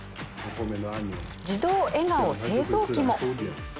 自動笑顔製造機も。